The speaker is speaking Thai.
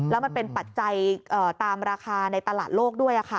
แล้วมันเป็นปัจจัยตามราคาในตลาดโลกด้วย